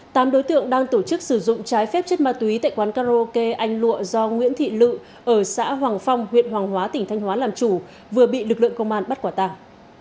tám đối tượng đang tổ chức sử dụng trái phép chất ma túy tại quán karaoke anh lụa do nguyễn thị lự ở xã hoàng phong huyện hoàng hóa tỉnh thanh hóa làm chủ vừa bị lực lượng công an bắt quả tàng